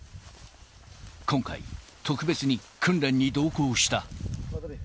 今回、特別に訓練に同行した。